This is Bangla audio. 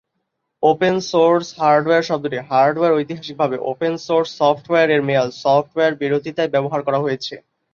ওপেন সোর্স হার্ডওয়্যার শব্দটি "হার্ডওয়্যার" ঐতিহাসিকভাবে ওপেন সোর্স সফটওয়্যার এর মেয়াদ "সফ্টওয়্যার" বিরোধিতায় ব্যবহার করা হয়েছে।